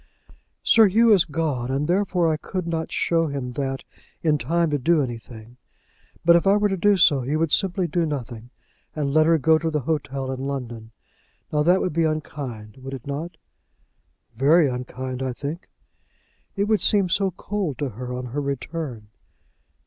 "Sir Hugh is gone, and therefore I could not show him that in time to do anything; but if I were to do so, he would simply do nothing, and let her go to the hotel in London. Now that would be unkind; would it not?" "Very unkind, I think." "It would seem so cold to her on her return."